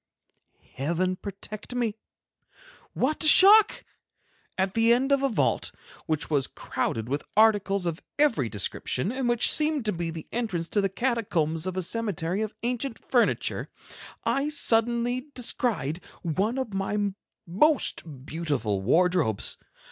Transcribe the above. Heaven protect me! What a shock! At the end of a vault, which was crowded with articles of every description and which seemed to be the entrance to the catacombs of a cemetery of ancient furniture, I suddenly descried one of my most beautiful wardrobes.